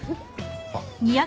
あっ。